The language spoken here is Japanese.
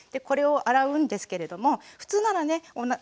これを洗うんですけれども普通ならね